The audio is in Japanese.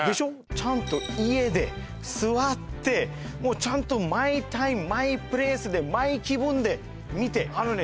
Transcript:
ちゃんと家で座ってもうちゃんとマイタイムマイプレイスでマイ気分で見てあのね